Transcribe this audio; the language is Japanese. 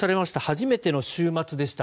初めての週末でした。